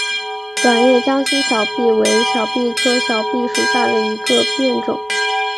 短叶江西小檗为小檗科小檗属下的一个变种。